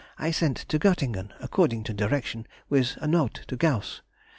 I sent to Göttingen, according to direction, with a note, to Gauss.